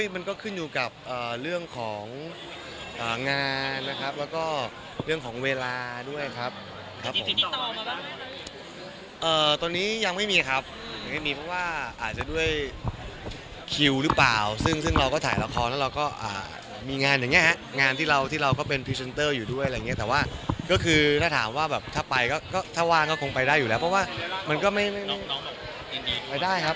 มันก็ขึ้นอยู่กับเรื่องของงานนะครับแล้วก็เรื่องของเวลาด้วยครับครับผมตอนนี้ยังไม่มีครับยังไม่มีเพราะว่าอาจจะด้วยคิวหรือเปล่าซึ่งเราก็ถ่ายละครแล้วเราก็มีงานอย่างนี้ฮะงานที่เราที่เราก็เป็นพรีเซนเตอร์อยู่ด้วยอะไรอย่างเงี้ยแต่ว่าก็คือถ้าถามว่าแบบถ้าไปก็ถ้าว่างก็คงไปได้อยู่แล้วเพราะว่ามันก็ไม่ได้ครับ